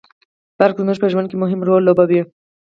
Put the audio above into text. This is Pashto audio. برق زموږ په ژوند کي مهم رول لوبوي